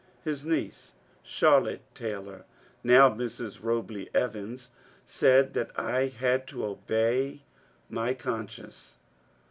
His niece, Charlotte Taylor (now Mrs. Robley Evans), said that I had to obey my conscience.